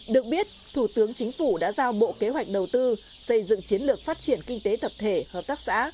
được biết thủ tướng chính phủ đã giao bộ kế hoạch đầu tư xây dựng chiến lược phát triển kinh tế tập thể hợp tác xã